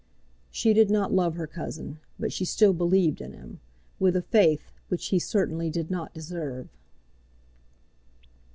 She did not love her cousin; but she still believed in him, with a faith which he certainly did not deserve.